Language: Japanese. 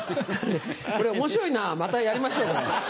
これ面白いなぁまたやりましょう。